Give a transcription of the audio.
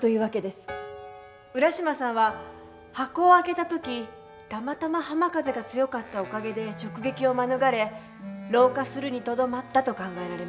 浦島さんは箱を開けた時たまたま浜風が強かったおかげで直撃を免れ老化するにとどまったと考えられます。